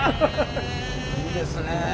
いいですね。